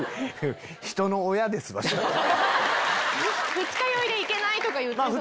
二日酔いで行けないとか言ってそう。